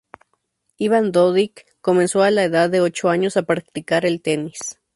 Ivan Dodig comenzó a la edad de ocho años a practicar el tenis.